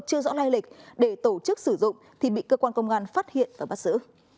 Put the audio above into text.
chưa rõ lai lịch để tổ chức sử dụng thì bị cơ quan công an phát hiện và bắt giữ